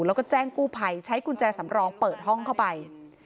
แล้วก็แจ้งกู้ภัยใช้กุญแจสำรองเปิดห้องเข้าไป